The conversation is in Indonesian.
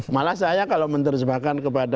malah saya kalau menerjemahkan kepada